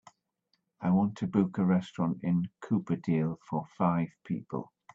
I want to book a restaurant in Cooperdale for five people.